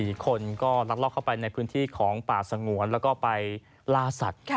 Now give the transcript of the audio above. คนก็ลักลอบเข้าไปในพื้นที่ของป่าสงวนแล้วก็ไปล่าสัตว์